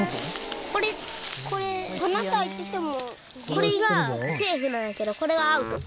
これはセーフなんやけどこれはアウト。